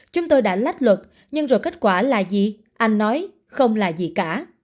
chúng tôi đã lách luật nhưng rồi kết quả là gì anh nói không là gì cả